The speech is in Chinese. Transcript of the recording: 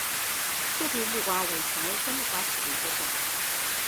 皱皮木瓜为蔷薇科木瓜属下的一个种。